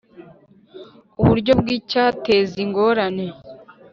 Uburyo bw icyateza ingorane